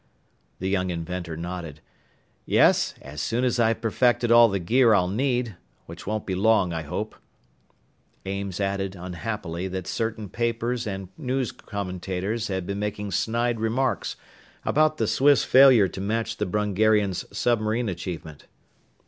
The young inventor nodded. "Yes, as soon as I've perfected all the gear I'll need which won't be long, I hope." Ames added, unhappily, that certain papers and news commentators had been making snide remarks about the Swifts' failure to match the Brungarians' submarine achievement.